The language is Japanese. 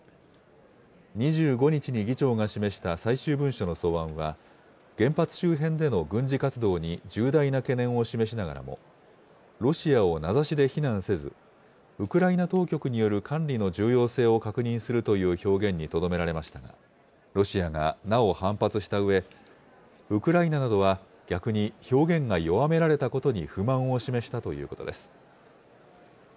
２５日に議長が示した最終文書の草案は、原発周辺での軍事活動に重大な懸念を示しながらも、ロシアを名指しで非難せず、ウクライナ当局による管理の重要性を確認するという表現にとどめられましたが、ロシアがなお反発したうえ、ウクライナなどは逆に表現が弱められたことに不満を示したということです。